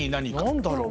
何だろう？